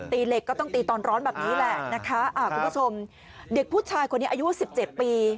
เหล็กก็ต้องตีตอนร้อนแบบนี้แหละนะคะอ่าคุณผู้ชมเด็กผู้ชายคนนี้อายุสิบเจ็ดปี